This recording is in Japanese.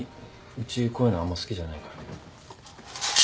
うちこういうのあんま好きじゃないから。